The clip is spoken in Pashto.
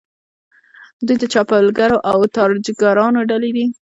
دوی د چپاولګرانو او تاراجګرانو ډلې دي.